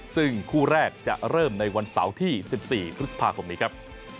ซึ่งคู่แรกจะเริ่มในวันเสาร์ที่๑๔พฤษภาคมนี้ครับ